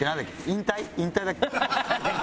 引退引退だっけ？